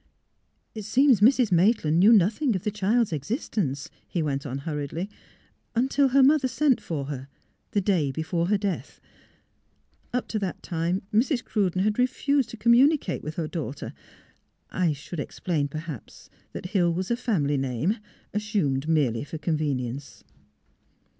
" It seems Mrs. Maitland knew nothing of the child's existence," he went on, hurriedly, '' until — her mother sent for her, the day before her THE LORD GAVE 349 death. Up to that time Mrs. Cruden had refused to communicate with her daughter. ... I should explain, perhaps, that Hill was a family name, as sumed merely for convenience."